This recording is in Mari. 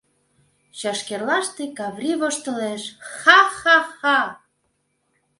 Чашкерлаште Каврий воштылеш: ха-ха-ха!..